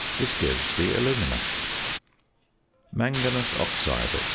This gives the alumina. ~Manganous oxide, &c.